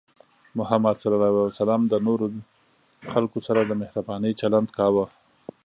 محمد صلى الله عليه وسلم د نورو خلکو سره د مهربانۍ چلند کاوه.